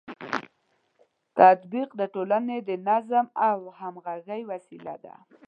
تطبیق د ټولنې د نظم او همغږۍ وسیله ده.